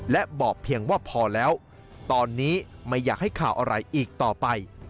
และบอกเพียงว่าพอแล้วตอนนี้ไม่อยากให้ข่าวอะไรอีกต่อไป